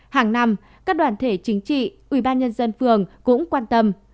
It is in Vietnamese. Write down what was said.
hàng năm các đoàn thể chính trị ubnd phường cũng quan tâm